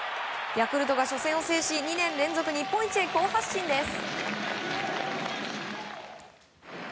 ヤクルトが初戦を制し２年連続日本一へ好発進です。